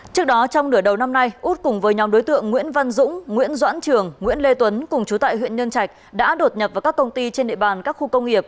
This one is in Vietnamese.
trước đó trong nửa đầu năm nay út cùng với nhóm đối tượng nguyễn văn dũng nguyễn doãn trường nguyễn lê tuấn cùng chú tại huyện nhân trạch đã đột nhập vào các công ty trên địa bàn các khu công nghiệp